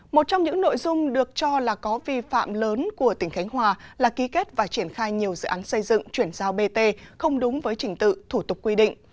một trong những nội dung được cho là có vi phạm lớn của tỉnh khánh hòa là ký kết và triển khai nhiều dự án xây dựng chuyển giao bt không đúng với trình tự thủ tục quy định